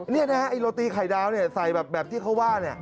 นี่นะฮะไอ้โรตีไข่ดาวเนี่ยใส่แบบที่เขาว่าเนี่ย